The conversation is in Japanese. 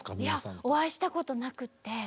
いやお会いしたことなくって。